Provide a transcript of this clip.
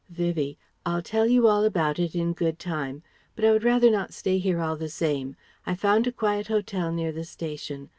Vivie: "I'll tell you all about it in good time. But I would rather not stay here all the same. I've found a quiet hotel near the station.